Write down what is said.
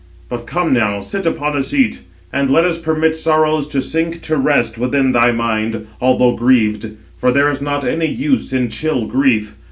But come now, sit upon a seat; and let us permit sorrows to sink to rest within thy mind, although grieved; for there is not any use in chill grief.